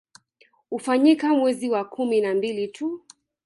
Hufanyika mwezi wa kumi na mbili tu